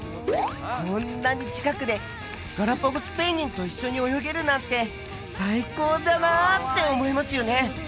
こんなに近くでガラパゴスペンギンと一緒に泳げるなんて最高だなって思いますよね